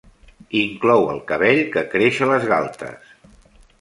Inclou el cabell que creix a les galtes.